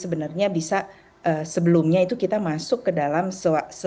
sebenarnya bisa sebelumnya itu kita masuk ke dalam sebuah hospital base